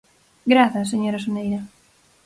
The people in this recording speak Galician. Grazas, señora Soneira.